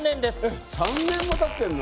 えっ３年もたってんの？